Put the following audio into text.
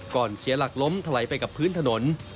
ก่อนเสียหลักล้มทะไหลไปกับพื้นถนน